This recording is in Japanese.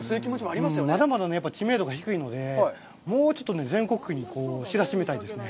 まだまだ知名度が低いので、もうちょっと全国区に知らしめたいですね。